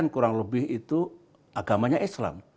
delapan belas kurang lebih itu agamanya islam